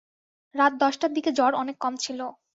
রাত দশটার দিকে জ্বর অনেক কম ছিল।